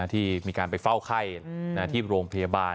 ที่มีการไปเฝ้าไข้ที่โรงพยาบาล